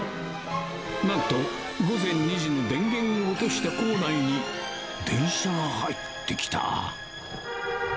なんと、午前２時に電源を落とした構内に、電車が入ってきた。